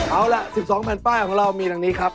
เอาล่ะ๑๒แผ่นป้ายของเรามีดังนี้ครับ